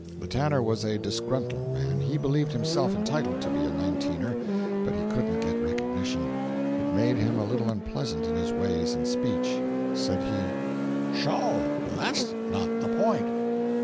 The tanner was a disgruntled man; he believed himself entitled to be a Nineteener, but he couldn't get recognition. It made him a little unpleasant in his ways and speech. Said he: "Sho, THAT'S not the point!